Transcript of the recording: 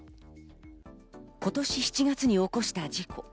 今年７月に起こした事故。